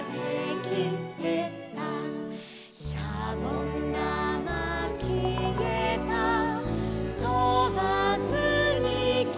「しゃぼん玉きえたとばずにきえた」